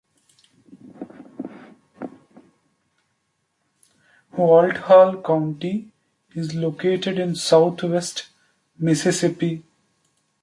Walthall County is located in Southwest Mississippi.